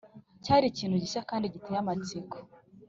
cyari ikintu gishya kd giteye amatsiko.